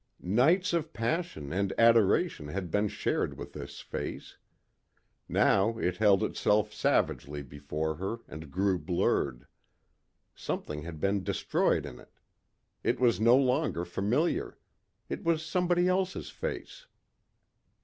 Nights of passion and adoration had been shared with this face. Now it held itself savagely before her and grew blurred. Something had been destroyed in it. It was no longer familiar. It was somebody else's face....